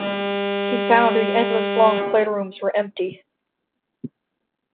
He found the endless long playrooms were empty!